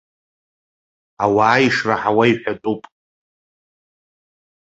Ауаа ишраҳауа иҳәатәуп.